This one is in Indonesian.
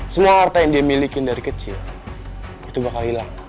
semua harta yang dia milikin dari kecil itu bakal hilang